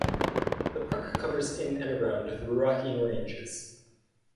The park covers in and around the Ruahine Ranges.